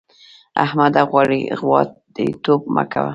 احمده! غواييتوب مه کوه.